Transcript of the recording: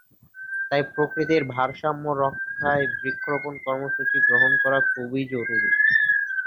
তাই প্রকৃতির ভারসাম্য রক্ষায় বৃক্ষরোপণ কর্মসূচি গ্রহণ করা খুবই জরুরি।